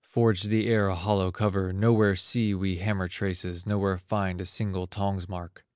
Forged the air a hollow cover; Nowhere see we hammer traces, Nowhere find a single tongs mark."